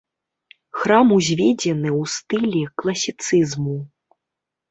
Храм узведзены ў стылі класіцызму.